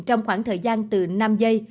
trong khoảng thời gian từ năm giây